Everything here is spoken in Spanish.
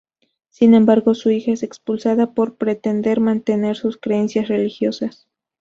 Sin embargo, su hija es expulsada por pretender mantener sus creencias religiosas.